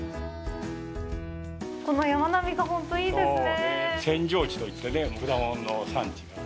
この山並みが、ほんと、いいですね。